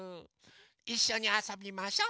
いっしょにあそびましょ。